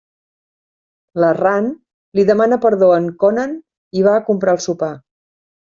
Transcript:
La Ran li demana perdó a en Conan i va a comprar el sopar.